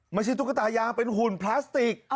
ตุ๊กตายางเป็นหุ่นพลาสติก